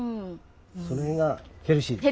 その辺がヘルシーですね。